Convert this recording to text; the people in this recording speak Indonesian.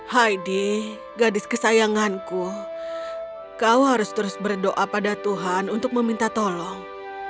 haidi gadis kesayanganku kau harus terus berdoa pada tuhan untuk meminta tolong